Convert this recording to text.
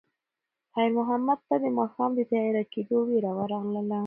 خیر محمد ته د ماښام د تیاره کېدو وېره ورغله.